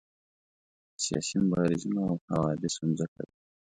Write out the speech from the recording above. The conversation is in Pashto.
سیاسي مبارزینو او حوادثو مځکه ده.